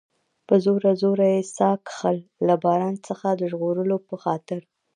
په زوره زوره یې ساه کښل، له باران څخه د ژغورلو په خاطر.